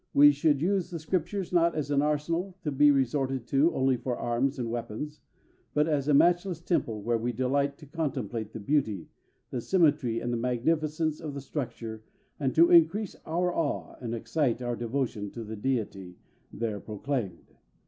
We should use the Scriptures not as an arsenal, to be resorted to only for arms and weapons, but as a matchless temple where we delight to contemplate the beauty, the symmetry, and the magnificence of the structure, and to increase our awe and excite our devotion to the Deity there proclaimed.